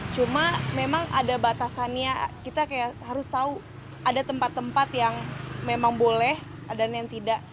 cuma memang ada batasannya kita kayak harus tahu ada tempat tempat yang memang boleh dan yang tidak